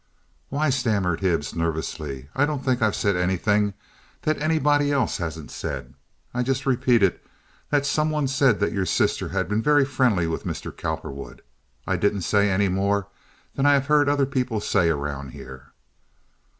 "Why," stammered Hibbs, nervously, "I don't think I've said anything that anybody else hasn't said. I just repeated that some one said that your sister had been very friendly with Mr. Cowperwood. I didn't say any more than I have heard other people say around here."